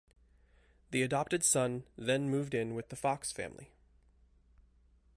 The adopted son then moved in with the Fox family.